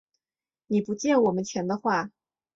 你不借我们钱的话